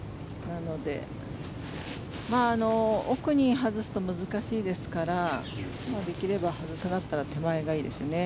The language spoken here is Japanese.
なので奥に外すと難しいですからできれば外すんだったら手前がいいですよね。